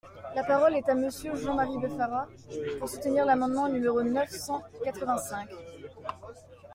La parole est à Monsieur Jean-Marie Beffara, pour soutenir l’amendement numéro neuf cent quatre-vingt-cinq.